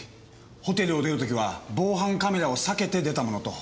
ホテルを出る時は防犯カメラを避けて出たものと。